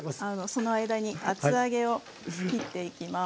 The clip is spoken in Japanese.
その間に厚揚げを切っていきます。